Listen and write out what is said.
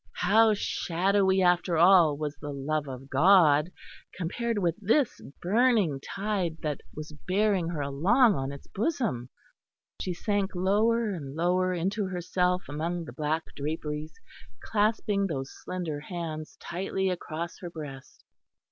How shadowy after all was the love of God, compared with this burning tide that was bearing her along on its bosom!... She sank lower and lower into herself among the black draperies, clasping those slender hands tightly across her breast.